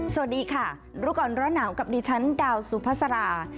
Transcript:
สวัสดีค่ะรุกรรณร่อนหนาวกับดิฉันดาวสุพศรา